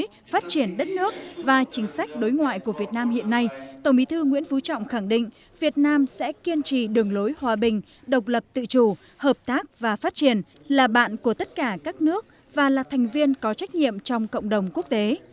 để phát triển đất nước và chính sách đối ngoại của việt nam hiện nay tổng bí thư nguyễn phú trọng khẳng định việt nam sẽ kiên trì đường lối hòa bình độc lập tự chủ hợp tác và phát triển là bạn của tất cả các nước và là thành viên có trách nhiệm trong cộng đồng quốc tế